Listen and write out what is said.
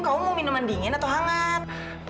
kamu mau minuman dingin atau hangat